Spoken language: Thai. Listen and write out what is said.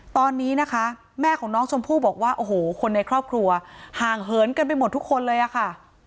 ตอนนี้นะคะแม่ของน้องชมพู่บอกว่าโอ้โหคนในครอบครัวห่างเหินกันไปหมดทุกคนเลยอะค่ะ